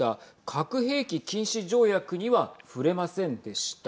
核兵器禁止条約には触れませんでした。